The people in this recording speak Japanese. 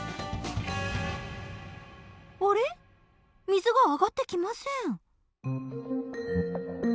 水が上がってきません。